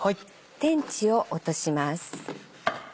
天地を落とします。